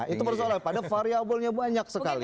itu persoalannya padahal variabelnya banyak sekali